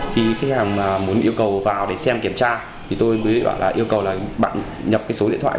khi khách hàng muốn yêu cầu vào để xem kiểm tra thì tôi mới gọi là yêu cầu là bạn nhập cái số điện thoại